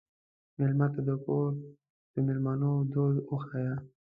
مېلمه ته د کور د مېلمنو دود وښیه.